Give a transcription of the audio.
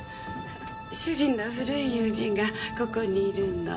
主人の古い友人がここにいるの。